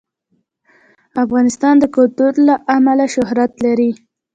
افغانستان د کلتور له امله شهرت لري.